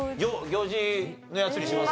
行事のやつにします？